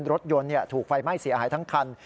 รถยนต์ถูกไฟไหม้เสียหายทั้งคัน